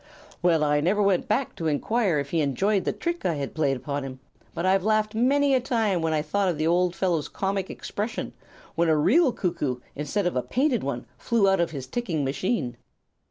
"Well, I never went back to enquire if he enjoyed the trick I had played upon him, but I've laughed many a time when I thought of the old fellow's comic expression when a real cuckoo instead of a painted one flew out of his ticking machine."